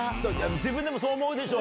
自分でもそう思うでしょ？